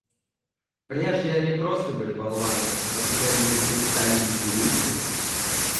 Прежде они просто были болваны, а теперь они вдруг стали нигилисты.